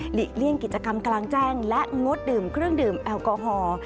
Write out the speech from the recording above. เลี่ยงกิจกรรมกลางแจ้งและงดดื่มเครื่องดื่มแอลกอฮอล์